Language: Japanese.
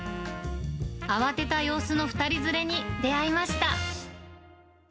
慌てた様子の２人連れに出会いました。